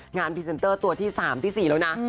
พรีเซนเตอร์ตัวที่๓ที่๔แล้วนะ